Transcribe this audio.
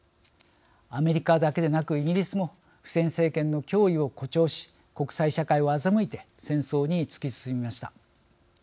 アメリカだけでなく、イギリスもフセイン政権の脅威を誇張し国際社会を欺いて戦争に突き進みました。